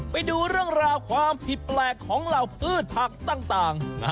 ไปดูเรื่องราวความผิดแปลกของเหล่าพืชผักต่าง